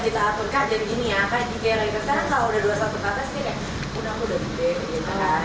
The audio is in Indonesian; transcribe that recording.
kita aturkan jadi gini apa juga yang terjadi kalau udah dua puluh satu pasti udah udah gede gitu kan